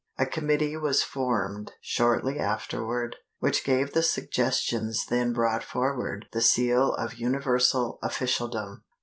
A committee was formed shortly afterward, which gave the suggestions then brought forward the seal of universal officialdom.